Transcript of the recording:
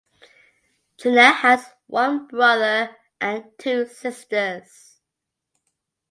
Jenna has one brother and two sisters.